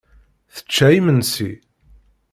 Tečča imensi.